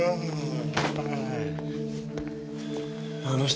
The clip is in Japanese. あの人